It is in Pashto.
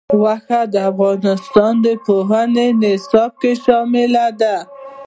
غوښې د افغانستان د پوهنې نصاب کې شامل دي.